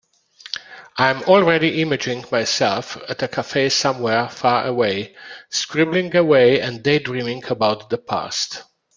I am already imagining myself at a cafe somewhere far away, scribbling away and daydreaming about the past.